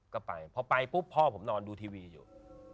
ก็ไปพอไปปุ๊บพ่อผมนอนดูทีวีอยู่